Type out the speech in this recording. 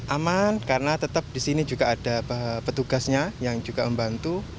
aman karena tetap di sini juga ada petugasnya yang juga membantu